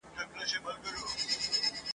نه بلبل سوای ځان پخپله مړولای ..